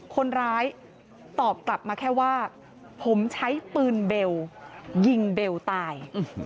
คนร้ายตอบกลับมาแค่ว่าผมใช้ปืนเบลยิงเบลตาย